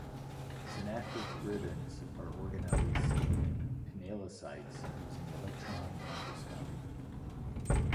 Synaptic ribbons are organelles seen in pinealocytes using electron microscopy.